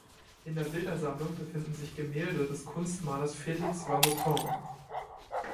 In der Bildersammlung befinden sich Gemälde des Kunstmalers Felix Vallotton.